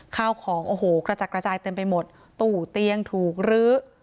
ข้าวของโอ้โหกระจัดกระจายเต็มไปหมดตู้เตียงถูกลื้อ